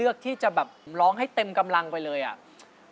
ที่จะแบบร้องให้เต็มกำลังไปเลยอ่ะ